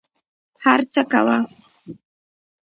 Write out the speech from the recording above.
هر څه کوه.